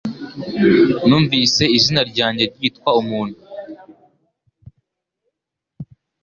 Numvise izina ryanjye ryitwa umuntu